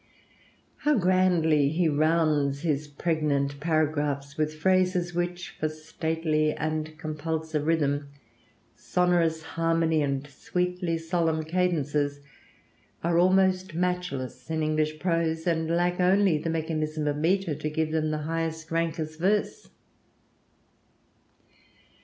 How grandly he rounds his pregnant paragraphs with phrases which for stately and compulsive rhythm, sonorous harmony, and sweetly solemn cadences, are almost matchless in English prose, and lack only the mechanism of metre to give them the highest rank as verse.